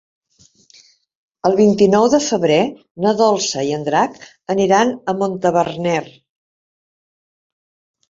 El vint-i-nou de febrer na Dolça i en Drac aniran a Montaverner.